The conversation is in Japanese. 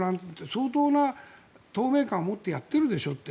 相当な透明感を持ってやってるでしょと。